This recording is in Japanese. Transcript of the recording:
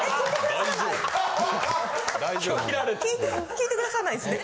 聞いてくださらないんですね。